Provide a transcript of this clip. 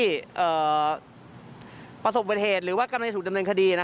ไปประสบบันเทศหรือกำนัยถูกดำเนินคดี